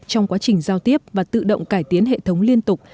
trong quá trình giao tiếp và tự động cải tiến hệ thống liên tục